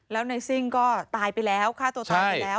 แล้วในซิ่งก็ตายไปแล้วฆ่าตัวตายไปแล้ว